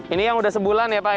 ini yang udah sebulan ya pak